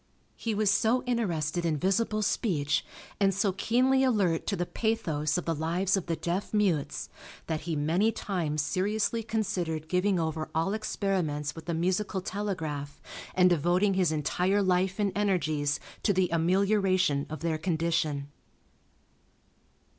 He was so interested in visible speech, and so keenly alert to the pathos of the lives of the deaf mutes, that he many times seriously considered giving over all experiments with the musical telegraph and devoting his entire life and energies to the amelioration of their condition.